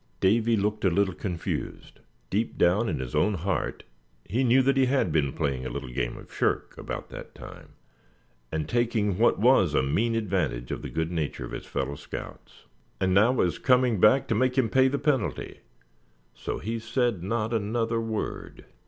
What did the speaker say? Davy looked a little confused. Deep down in his own heart he knew that he had been playing a little game of "shirk" about that time, and taking what was a mean advantage of the good nature of his fellow scouts. And now it was coming back to make him pay the penalty. So he said not another word.